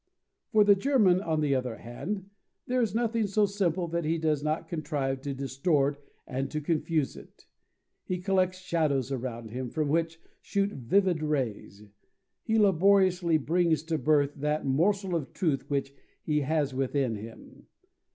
For the German, on the other hand, there is nothing so simple that he does not contrive to distort and to confuse it. He collects shadows around him, from which shoot vivid rays. He laboriously brings to birth that morsel of truth which he has within him.